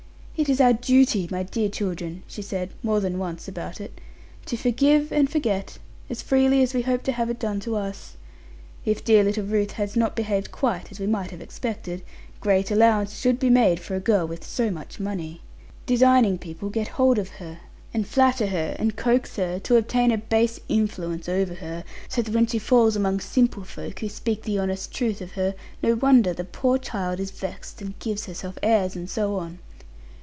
'It is our duty, my dear children,' she said more than once about it, 'to forgive and forget, as freely as we hope to have it done to us. If dear little Ruth has not behaved quite as we might have expected, great allowance should be made for a girl with so much money. Designing people get hold of her, and flatter her, and coax her, to obtain a base influence over her; so that when she falls among simple folk, who speak the honest truth of her, no wonder the poor child is vexed, and gives herself airs, and so on.